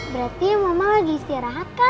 berati mama lagi istirahat kan